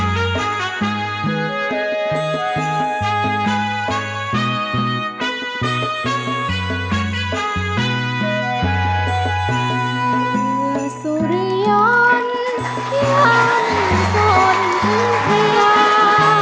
มือสุริยนต์ยันต์สนทางพลา